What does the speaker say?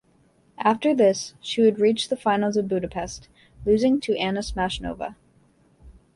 After this, she would reach the finals of Budapest, losing to Anna Smashnova.